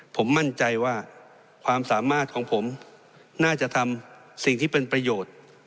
ผมมั่นใจว่าความสามารถของผมน่าจะทำสิ่งที่เป็นประโยชน์